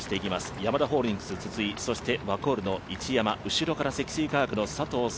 ヤマダホールディングスの筒井、そしてワコールの一山、積水化学の佐藤早